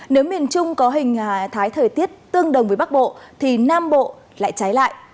nếu miền trung có hình thái thời tiết tương đồng với bắc bộ thì nam bộ lại cháy lại